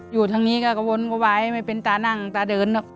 อยู่ทางนี้ก็กระวนกระวายไม่เป็นตานั่งตาเดิน